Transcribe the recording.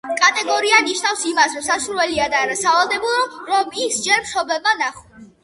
კატეგორია ნიშნავს იმას, რომ სასურველია და არა სავალდებულო, რომ ის ჯერ მშობლებმა ნახონ.